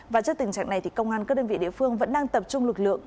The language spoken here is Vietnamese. và trước tình trạng này thì công an các đơn vị địa phương vẫn đang tập trung lực lượng